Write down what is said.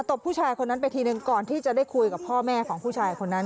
บผู้ชายคนนั้นไปทีนึงก่อนที่จะได้คุยกับพ่อแม่ของผู้ชายคนนั้น